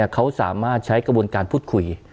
เขาสามารถใช้กระบวนการพูดคุย